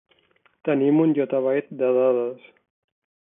Tenim un yottabyte de dades.